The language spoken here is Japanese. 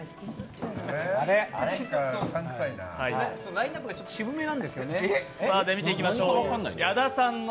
ラインナップが渋めなんですよね。